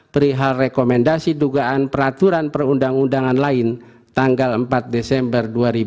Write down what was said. perihal rekomendasi dugaan peraturan perundang undangan lain tanggal empat desember dua ribu dua puluh